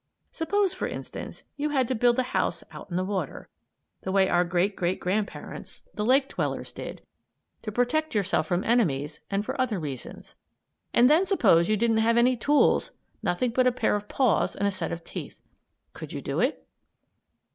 Suppose, for instance, you had to build a house out in the water, the way our great, great grandparents, the lake dwellers, did, to protect yourself from enemies and for other reasons. And then suppose you didn't have any tools; nothing but a pair of paws and a set of teeth. Could you do it?